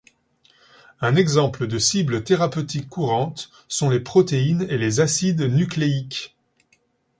Un exemple de cible thérapeutique courante sont les protéines et les acides nucléiques.